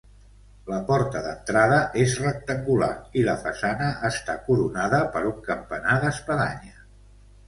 La porta d'entrada és rectangular i la façana està coronada per un campanar d'espadanya.